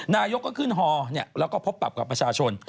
นายกก็ขึ้นฮอแล้วก็พบปรับกับประชาชน